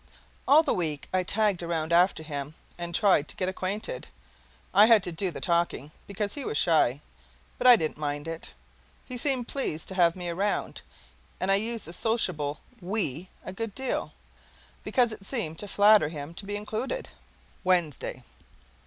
All the week I tagged around after him and tried to get acquainted. I had to do the talking, because he was shy, but I didn't mind it. He seemed pleased to have me around, and I used the sociable "we" a good deal, because it seemed to flatter him to be included. WEDNESDAY.